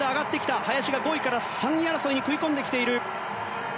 林が５位から３位争いに食い込んできている。